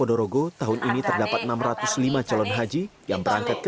dari upah tersebut ia menyisikan rp tiga puluh